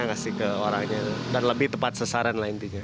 kasih ke orangnya dan lebih tepat sesaran lah intinya